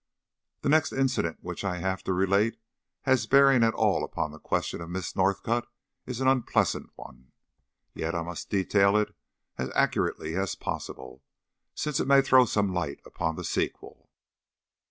The next incident which I have to relate as bearing at all upon the question of Miss Northcott is an unpleasant one. Yet I must detail it as accurately as possible, since it may throw some light upon the sequel.